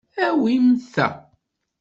Awim ta.